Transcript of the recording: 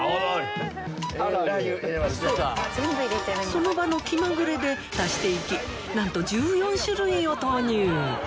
その場の気まぐれで足して行きなんと１４種類を投入